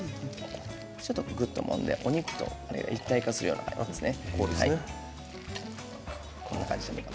ちょっとぐっともんでお肉と一体化させるような感じですね。